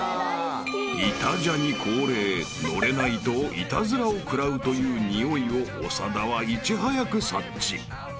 ［『イタ×ジャニ』恒例乗れないとイタズラを食らうというにおいを長田はいち早く察知］